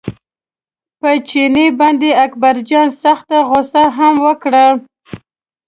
په چیني باندې اکبرجان سخته غوسه هم وکړه.